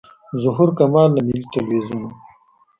ظهور کمال له ملي تلویزیون و.